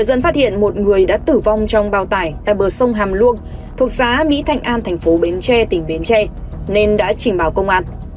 dân phát hiện một người đã tử vong trong bao tải tại bờ sông hàm luông thuộc xã mỹ thanh an thành phố bến tre tỉnh bến tre nên đã trình báo công an